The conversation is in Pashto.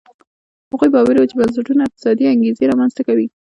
هغوی باوري وو چې بنسټونه اقتصادي انګېزې رامنځته کوي.